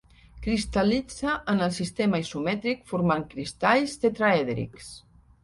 Cristal·litza en el sistema isomètric formant cristalls tetraèdrics.